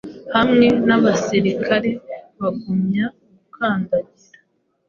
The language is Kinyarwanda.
Hamwe nabasirikare bagumya gukandagira